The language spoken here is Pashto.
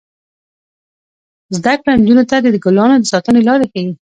زده کړه نجونو ته د ګلانو د ساتنې لارې ښيي.